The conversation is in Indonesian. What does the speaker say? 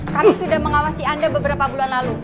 kami sudah mengawasi anda beberapa bulan lalu